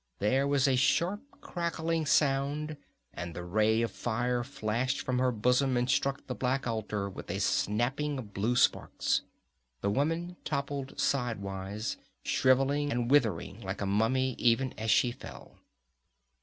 There was a sharp crackling sound and the ray of fire flashed from her bosom and struck the black altar, with a snapping of blue sparks. The woman toppled sidewise, shriveling and withering like a mummy even as she fell.